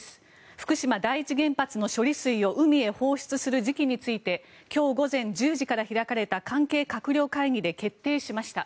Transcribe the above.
福島第一原発の処理水を海へ放出する時期について今日午前１０時から開かれた関係閣僚会議で決定しました。